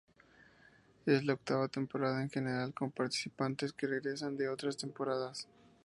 Es la octava temporada en general con participantes que regresan de otras temporadas.